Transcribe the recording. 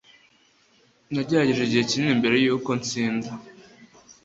Nagerageje igihe kinini mbere yuko ntsinda.